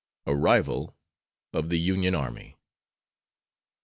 ARRIVAL OF THE UNION ARMY.